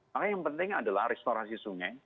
maka yang penting adalah restorasi sungai